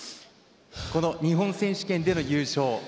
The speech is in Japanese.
日本選手権での優勝